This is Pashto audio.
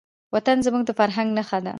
وطن زموږ د فرهنګ نښه ده.